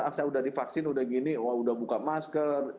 saya sudah divaksin sudah begini wah sudah buka masker